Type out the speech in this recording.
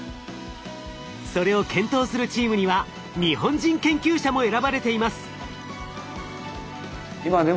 それを検討するチームには日本人研究者も選ばれています。